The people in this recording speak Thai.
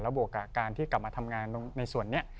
บวกกับการที่กลับมาทำงานในส่วนนี้